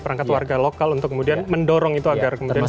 perangkat warga lokal untuk kemudian mendorong itu agar kemudian bisa